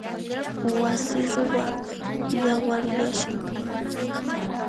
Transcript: Wasi ruwaq yawaryashan.